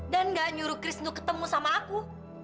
dan enggak nyuruh kris untuk ketemu sama aku